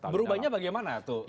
berubahnya bagaimana tuh